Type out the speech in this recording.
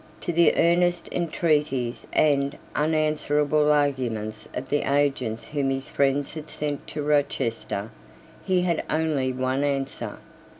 To the earnest entreaties and unanswerable arguments of the agents whom his friends had sent to Rochester, he had only one answer.